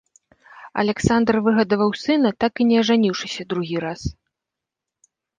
Аляксандр выгадаваў сына, так і не ажаніўшыся другі раз.